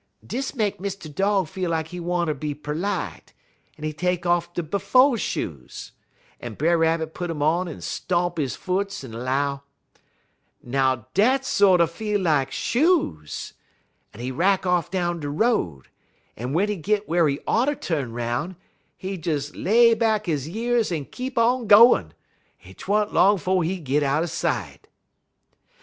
"Dis make Mr. Dog feel like he wanter be perlite, en he take off de befo' shoes, en Brer Rabbit put um on en stomp his foots, en 'low: "'Now dat sorter feel like shoes;' en he rack off down de road, en w'en he git whar he oughter tu'n 'roun', he des lay back he years en keep on gwine; en 't wa'n't long 'fo' he git outer sight.